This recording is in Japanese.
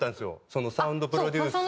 そのサウンドプロデュース。